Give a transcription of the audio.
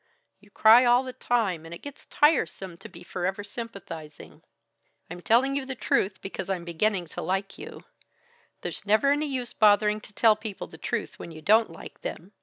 You cry all the time, and it gets tiresome to be forever sympathizing. I'm telling you the truth because I'm beginning to like you. There's never any use bothering to tell people the truth when you don't like them.